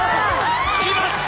きました！